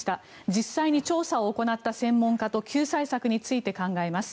実際に調査を行った専門家と救済策について考えます。